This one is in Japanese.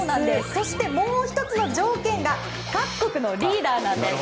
そして、もう１つの条件が各国のリーダーなんです。